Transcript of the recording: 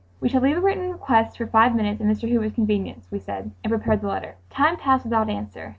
"We shall leave a written request for five minutes at Mr. Hoover's convenience," we said, and prepared the letter. Time passed without answer.